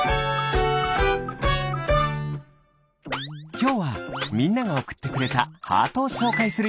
きょうはみんながおくってくれたハートをしょうかいするよ。